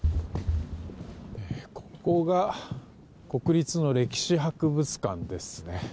ここが国立の歴史博物館です。